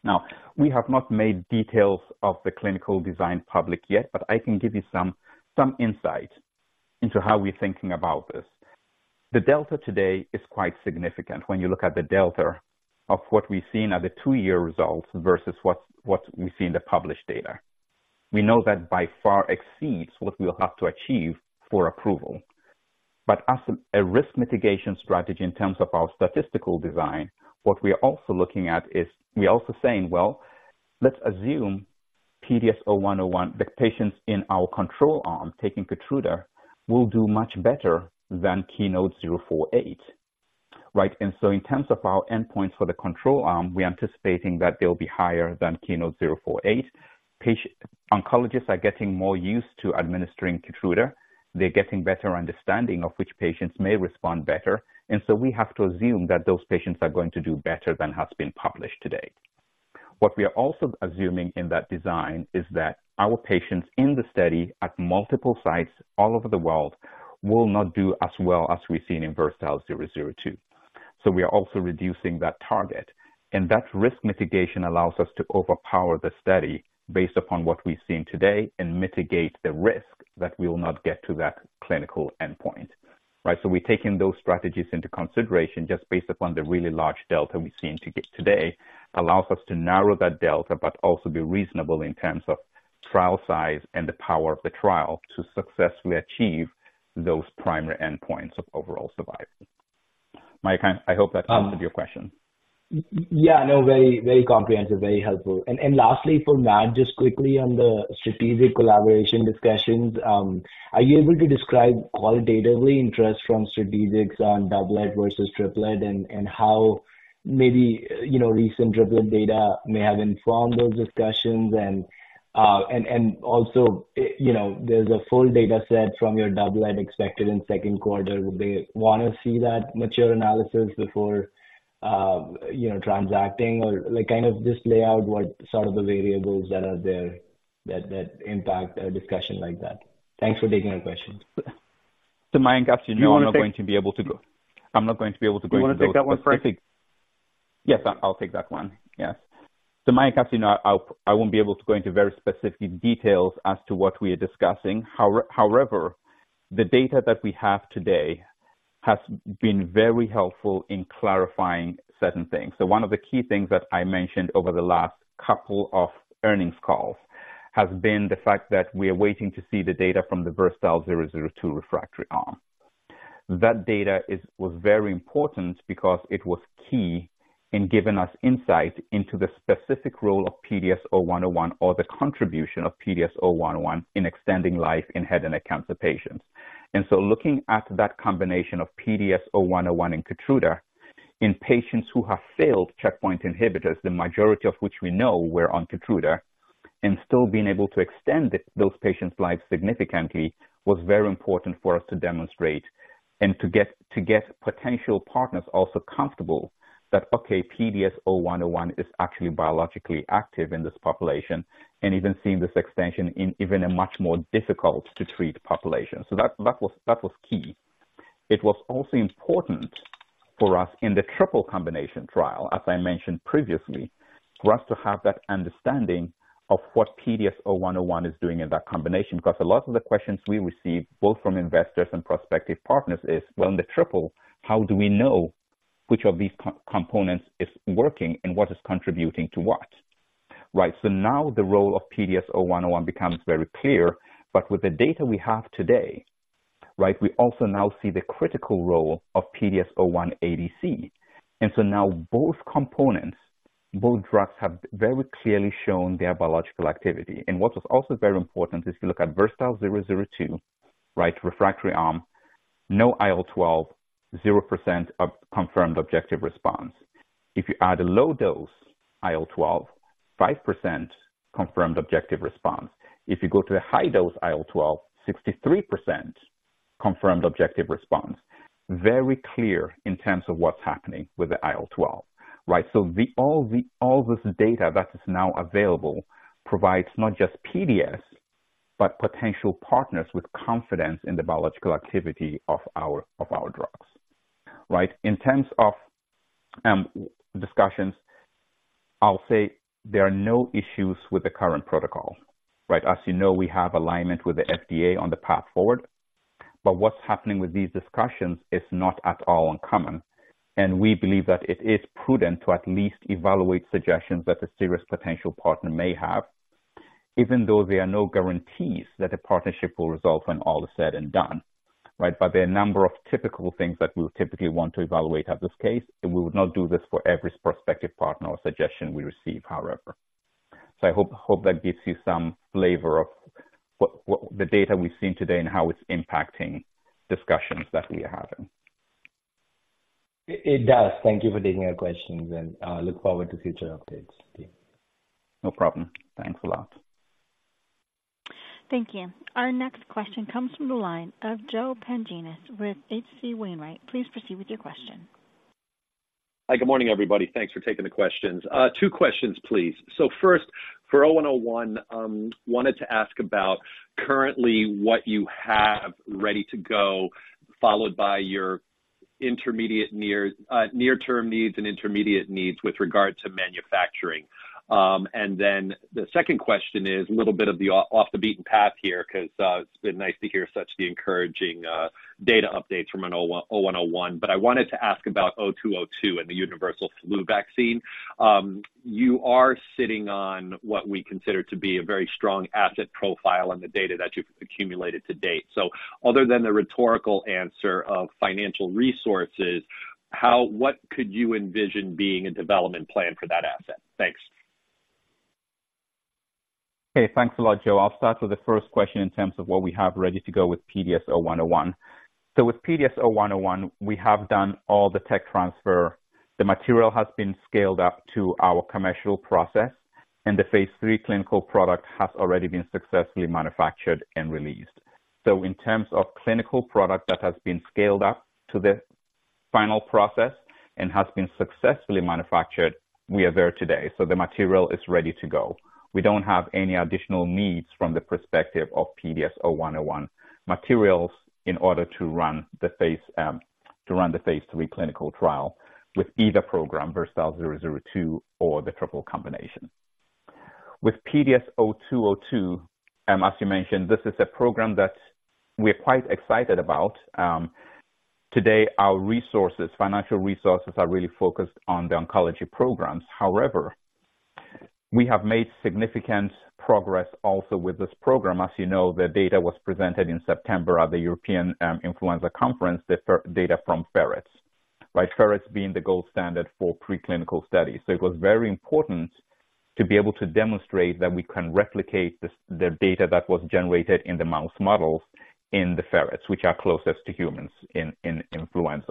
Now, we have not made details of the clinical design public yet, but I can give you some insight into how we're thinking about this. The delta today is quite significant when you look at the delta of what we've seen are the two-year results versus what we see in the published data. We know that by far exceeds what we'll have to achieve for approval. But as a risk mitigation strategy in terms of our statistical design, what we are also looking at is we're also saying, "Well, let's assume PDS0101, the patients in our control arm taking KEYTRUDA, will do much better than KEYNOTE-048," right? And so in terms of our endpoints for the control arm, we're anticipating that they'll be higher than KEYNOTE-048. Patients oncologists are getting more used to administering KEYTRUDA. They're getting better understanding of which patients may respond better, and so we have to assume that those patients are going to do better than has been published today. What we are also assuming in that design is that our patients in the study, at multiple sites all over the world, will not do as well as we've seen in VERSATILE-002. So we are also reducing that target, and that risk mitigation allows us to overpower the study based upon what we've seen today and mitigate the risk that we will not get to that clinical endpoint, right? So we're taking those strategies into consideration just based upon the really large delta we've seen today, allows us to narrow that delta, but also be reasonable in terms of trial size and the power of the trial to successfully achieve those primary endpoints of overall survival. Mayank, I hope that answered your question. Yeah. No, very, very comprehensive, very helpful. And lastly, for Matt, just quickly on the strategic collaboration discussions, are you able to describe qualitatively interest from strategics on doublet versus triplet, and how maybe, you know, recent triplet data may have informed those discussions? And also, you know, there's a full data set from your doublet expected in second quarter. Would they wanna see that mature analysis before, you know, transacting? Or, like, kind of just lay out what some of the variables that are there, that impact a discussion like that. Thanks for taking my question. So, Mayank, actually, I'm not going to be able to go into- You wanna take that one first? Yes, I'll, I'll take that one. Yes. So Mayank, as you know, I, I won't be able to go into very specific details as to what we are discussing. However, the data that we have today has been very helpful in clarifying certain things. So one of the key things that I mentioned over the last couple of earnings calls has been the fact that we are waiting to see the data from the VERSATILE-002 refractory arm. That data was very important because it was key in giving us insight into the specific role of PDS0101, or the contribution of PDS0101, in extending life in head and neck cancer patients. And so looking at that combination of PDS-0101 and Keytruda in patients who have failed checkpoint inhibitors, the majority of which we know were on Keytruda, and still being able to extend the, those patients' lives significantly, was very important for us to demonstrate and to get, to get potential partners also comfortable that, okay, PDS-0101 is actually biologically active in this population, and even seeing this extension in even a much more difficult to treat population. So that, that was, that was key. It was also important for us in the triple combination trial, as I mentioned previously, for us to have that understanding of what PDS-0101 is doing in that combination. Because a lot of the questions we receive, both from investors and prospective partners, is: Well, in the triple, how do we know which of these co-components is working and what is contributing to what, right? So now the role of PDS0101 becomes very clear. But with the data we have today, right, we also now see the critical role of PDS01ADC. And so now both components, both drugs, have very clearly shown their biological activity. And what was also very important is if you look at VERSATILE-002, right, refractory arm, no IL-12, 0% confirmed objective response. If you add a low dose IL-12, 5% confirmed objective response. If you go to a high dose IL-12, 63% confirmed objective response. Very clear in terms of what's happening with the IL-12, right? So all this data that is now available provides not just PDS, but potential partners with confidence in the biological activity of our, of our drugs. Right? In terms of discussions, I'll say there are no issues with the current protocol, right? As you know, we have alignment with the FDA on the path forward, but what's happening with these discussions is not at all uncommon, and we believe that it is prudent to at least evaluate suggestions that a serious potential partner may have, even though there are no guarantees that a partnership will result when all is said and done, right? But there are a number of typical things that we'll typically want to evaluate at this case, and we would not do this for every prospective partner or suggestion we receive, however. So I hope that gives you some flavor of what the data we've seen today and how it's impacting discussions that we are having. It does. Thank you for taking your questions, and look forward to future updates. No problem. Thanks a lot. Thank you. Our next question comes from the line of Joe Pantginis with H.C. Wainwright. Please proceed with your question. Hi, good morning, everybody. Thanks for taking the questions. Two questions, please. So first, for 0101, wanted to ask about currently what you have ready to go, followed by your intermediate near, near-term needs and intermediate needs with regard to manufacturing. And then the second question is a little bit of the off the beaten path here, 'cause, it's been nice to hear such the encouraging, data updates from an 0101. But I wanted to ask about 0202 and the universal flu vaccine. You are sitting on what we consider to be a very strong asset profile and the data that you've accumulated to date. So other than the rhetorical answer of financial resources, what could you envision being a development plan for that asset? Thanks. Hey, thanks a lot, Joe. I'll start with the first question in terms of what we have ready to go with PDS0101. So with PDS0101, we have done all the tech transfer. The material has been scaled up to our commercial process, and the phase III clinical product has already been successfully manufactured and released. So in terms of clinical product that has been scaled up to the final process and has been successfully manufactured, we are there today. So the material is ready to go. We don't have any additional needs from the perspective of PDS0101 materials in order to run the phase, to run the phase III clinical trial with either program, VERSATILE-002 or the triple combination. With PDS0202, as you mentioned, this is a program that we're quite excited about. Today, our resources, financial resources, are really focused on the oncology programs. However, we have made significant progress also with this program. As you know, the data was presented in September at the European Influenza Conference, the data from ferrets. Right, ferrets being the gold standard for preclinical studies. So it was very important to be able to demonstrate that we can replicate the data that was generated in the mouse models in the ferrets, which are closest to humans in influenza.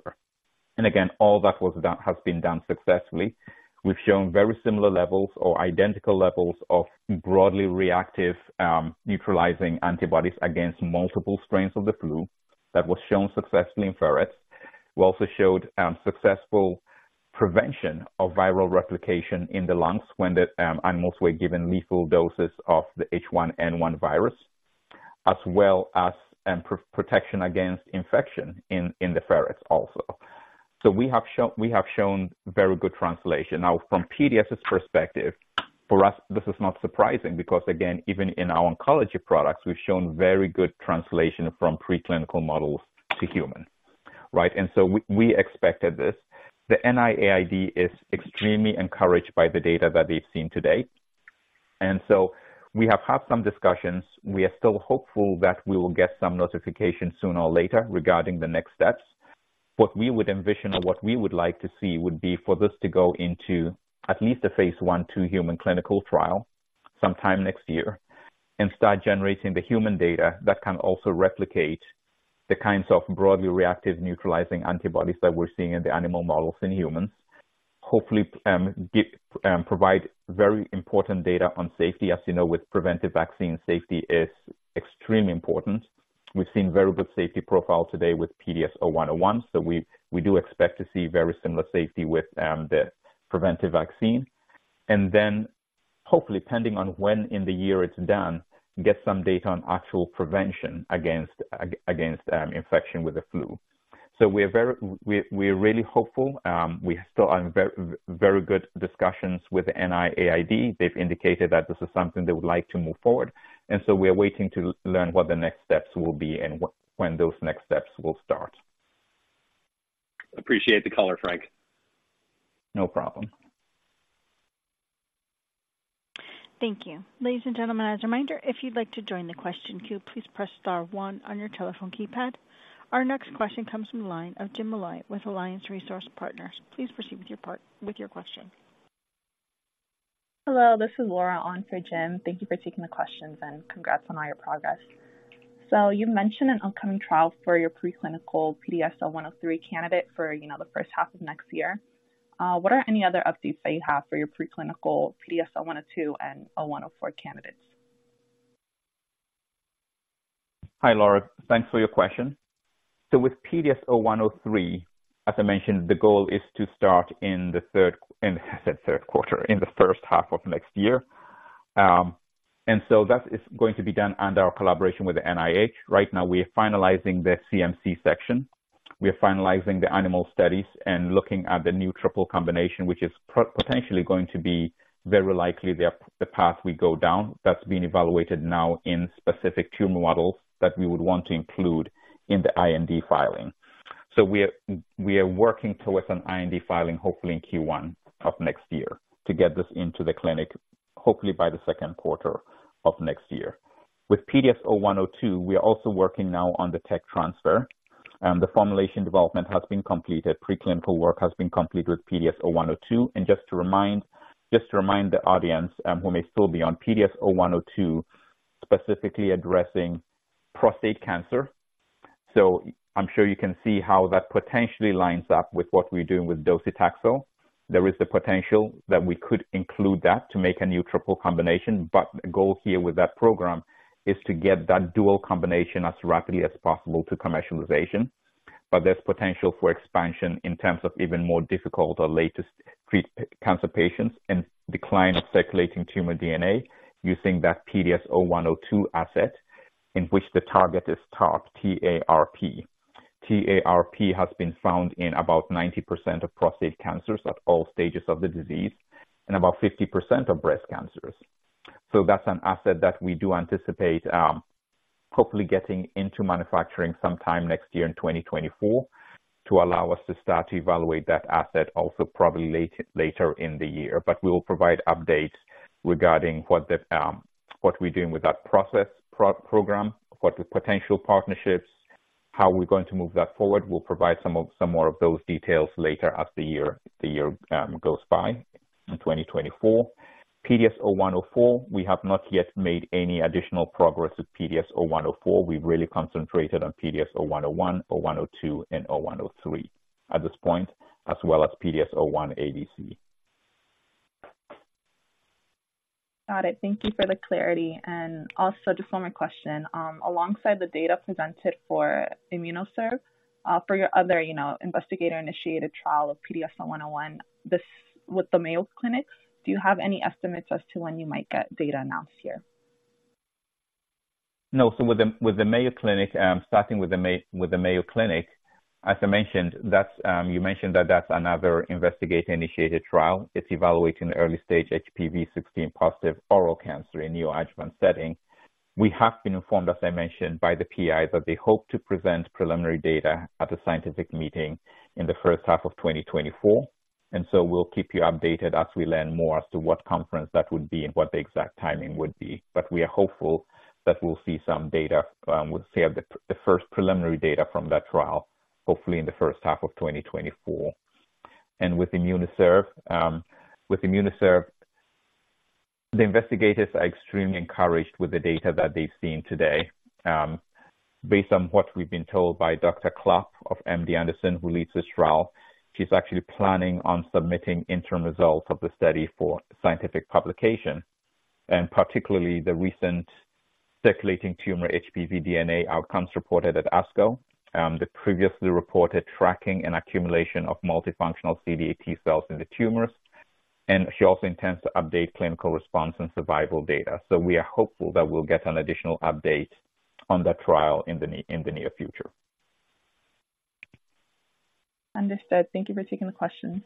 And again, all that was done has been done successfully. We've shown very similar levels or identical levels of broadly reactive neutralizing antibodies against multiple strains of the flu. That was shown successfully in ferrets. We also showed successful prevention of viral replication in the lungs when the animals were given lethal doses of the H1N1 virus as well as protection against infection in the ferrets also. So we have shown, we have shown very good translation. Now, from PDS's perspective, for us, this is not surprising because, again, even in our oncology products, we've shown very good translation from preclinical models to human, right? And so we expected this. The NIAID is extremely encouraged by the data that they've seen today, and so we have had some discussions. We are still hopeful that we will get some notification sooner or later regarding the next steps. What we would envision or what we would like to see would be for this to go into at least a phase I/II human clinical trial sometime next year and start generating the human data that can also replicate the kinds of broadly reactive, neutralizing antibodies that we're seeing in the animal models in humans. Hopefully, provide very important data on safety. As you know, with preventive vaccine, safety is extremely important. We've seen very good safety profile today with PDS0101, so we do expect to see very similar safety with the preventive vaccine. And then hopefully, pending on when in the year it's done, get some data on actual prevention against against infection with the flu. So we're very. We, we're really hopeful. We still are in very, very good discussions with NIAID. They've indicated that this is something they would like to move forward, and so we are waiting to learn what the next steps will be and when those next steps will start. Appreciate the color, Frank. No problem. Thank you. Ladies and gentlemen, as a reminder, if you'd like to join the question queue, please press star one on your telephone keypad. Our next question comes from the line of Jim Molloy with Alliance Global Partners. Please proceed with your part, with your question. Hello, this is Laura on for Jim. Thank you for taking the questions, and congrats on all your progress. So you mentioned an upcoming trial for your preclinical PDS0103 candidate for, you know, the first half of next year. What are any other updates that you have for your preclinical PDS0102 and PDS0104 candidates? Hi, Laura. Thanks for your question. So with PDS0103, as I mentioned, the goal is to start in the third quarter, in the first half of next year. And so that is going to be done under our collaboration with the NIH. Right now, we are finalizing the CMC section. We are finalizing the animal studies and looking at the new triple combination, which is potentially going to be very likely the path we go down. That's being evaluated now in specific tumor models that we would want to include in the IND filing. So we are working towards an IND filing, hopefully in Q1 of next year, to get this into the clinic, hopefully by the second quarter of next year. With PDS0102, we are also working now on the tech transfer, and the formulation development has been completed. Preclinical work has been completed with PDS0102. And just to remind the audience, who may still be on PDS0102, specifically addressing prostate cancer. So I'm sure you can see how that potentially lines up with what we're doing with docetaxel. There is the potential that we could include that to make a new triple combination, but the goal here with that program is to get that dual combination as rapidly as possible to commercialization. But there's potential for expansion in terms of even more difficult or latest treat cancer patients and decline of circulating tumor DNA using that PDS0102 asset, in which the target is TARP, T-A-R-P. T-A-R-P has been found in about 90% of prostate cancers at all stages of the disease and about 50% of breast cancers. So that's an asset that we do anticipate, hopefully getting into manufacturing sometime next year in 2024, to allow us to start to evaluate that asset also probably later in the year. But we will provide updates regarding what the, what we're doing with that program, what the potential partnerships, how we're going to move that forward. We'll provide some of, some more of those details later as the year goes by in 2024. PDS0104, we have not yet made any additional progress with PDS0104. We've really concentrated on PDS0101, 0102, and 0103 at this point, as well as PDS01ADC. Got it. Thank you for the clarity. And also just one more question. Alongside the data presented for IMMUNOCERV, for your other, you know, investigator-initiated trial of PDS0101, this with the Mayo Clinic, do you have any estimates as to when you might get data announced here? No. So with the Mayo Clinic, starting with the Mayo Clinic, as I mentioned, that's, you mentioned that that's another investigator-initiated trial. It's evaluating the early stage HPV-16 positive oral cancer in neoadjuvant setting. We have been informed, as I mentioned, by the PI, that they hope to present preliminary data at the scientific meeting in the first half of 2024, and so we'll keep you updated as we learn more as to what conference that would be and what the exact timing would be. But we are hopeful that we'll see some data, we'll see the first preliminary data from that trial, hopefully in the first half of 2024. And with IMMUNOCERV, with IMMUNOCERV, the investigators are extremely encouraged with the data that they've seen today. Based on what we've been told by Dr. Klopp of MD Anderson, who leads this trial, she's actually planning on submitting interim results of the study for scientific publication, and particularly the recent circulating tumor HPV DNA outcomes reported at ASCO, the previously reported tracking and accumulation of multifunctional CD8 T-cells in the tumors, and she also intends to update clinical response and survival data. So we are hopeful that we'll get an additional update on that trial in the near future. Understood. Thank you for taking the question.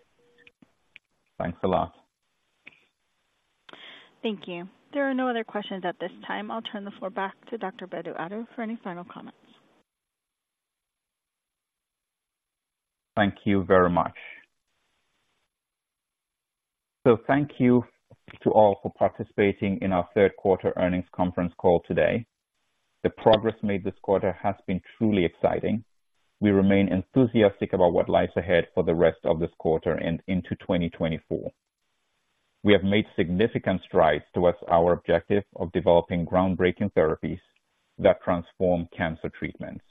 Thanks a lot. Thank you. There are no other questions at this time. I'll turn the floor back to Dr. Bedu-Addo for any final comments. Thank you very much. So thank you to all for participating in our third quarter earnings conference call today. The progress made this quarter has been truly exciting. We remain enthusiastic about what lies ahead for the rest of this quarter and into 2024. We have made significant strides towards our objective of developing groundbreaking therapies that transform cancer treatments.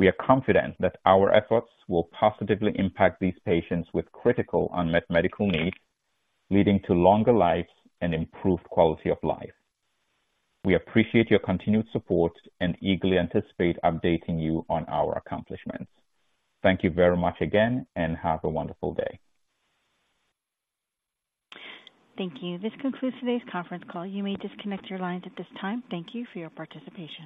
We are confident that our efforts will positively impact these patients with critical unmet medical needs, leading to longer lives and improved quality of life. We appreciate your continued support and eagerly anticipate updating you on our accomplishments. Thank you very much again, and have a wonderful day. Thank you. This concludes today's conference call. You may disconnect your lines at this time. Thank you for your participation.